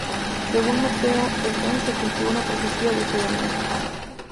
Según Mateo, entonces se cumplió una profecía de Jeremías.